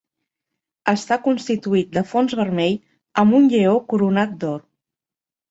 Està constituït de fons vermell amb un lleó coronat d'or.